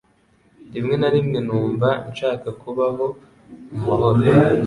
Rimwe na rimwe numva nshaka kubaho mu mahoro